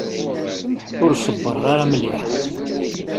Ur ṣebbreɣ ara mliḥ.